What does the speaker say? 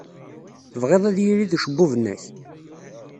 Tebɣid ad yirid ucebbub-nnek?